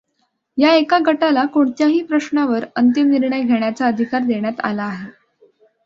या एका गटाला कोणत्याही प्रश्नावर अंतिम निर्णय घेण्याचा अधिकार देण्यात आला आहे.